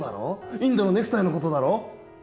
インドのネクタイのことだろ？